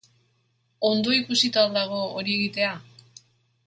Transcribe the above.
Ondo ikusita al dago hori egitea?